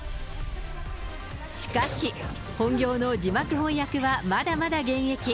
しかし、本業の字幕翻訳はまだまだ現役。